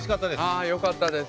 あよかったです。